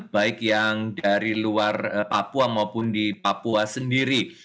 baik yang dari luar papua maupun di papua sendiri